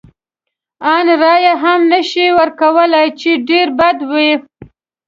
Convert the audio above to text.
ان رایه هم نه شي ورکولای، چې ډېر بد و.